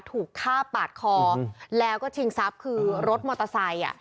ถูกฆ่าปาดคอแล้วก็ชิงทรัพย์คือรถมอเตอร์ไซค์อ่ะ